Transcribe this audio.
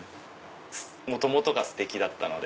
元々がステキだったので。